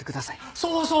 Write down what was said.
そうそう！